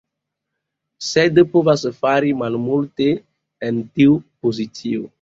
Sed povis fari malmulte en tiu pozicio.